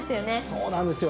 そうなんですよ。